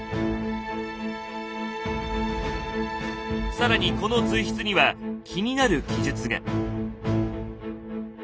更にこの随筆には気になる記述が。